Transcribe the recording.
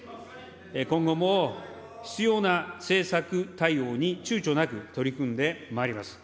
今後も必要な政策対応にちゅうちょなく取り組んでまいります。